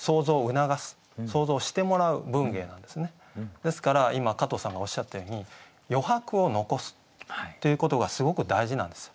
ですから今加藤さんがおっしゃったように余白を残すということがすごく大事なんですよ。